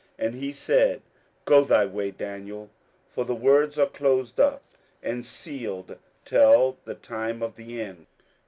27:012:009 And he said, Go thy way, Daniel: for the words are closed up and sealed till the time of the end.